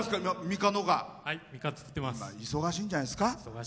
今忙しいんじゃないですか？